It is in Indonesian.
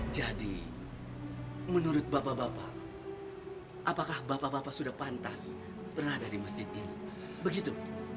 jadi menurut bapak bapak apakah bapak bapak sudah pantas berada di masjid ini begitu